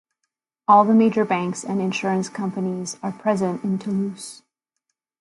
All the major banks and insurance companies are present in Toulouse.